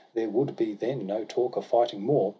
There would be then no talk of fighting more.